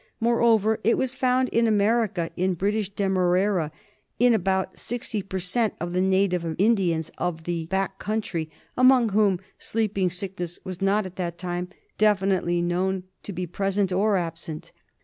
Moreover it was found in America, in British Demerara, in about sixty per cent, of the native Indians of the back country, among whom Sleeping Sickness was not at that time definitely known to^' be THE SLEEPING SICKNESS. IIQ present or absent.